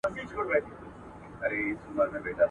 آیا ګرمي تر یخنۍ زیاته انرژي غواړي؟